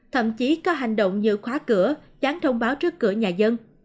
thậm chí có hành động như khóa cửa dán thông báo trước cửa nhà dân